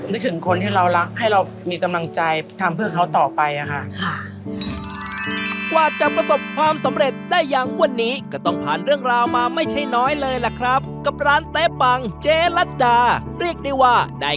นึกถึงคนที่เรารักให้เรามีกำลังใจทำเพื่อเขาต่อไปค่ะ